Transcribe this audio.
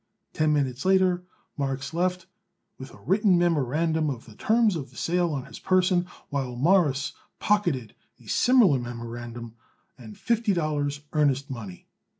Ten minutes later Marks left with a written memorandum of the terms of sale on his person while Morris pocketed a similar memorandum and fifty dollars earnest money.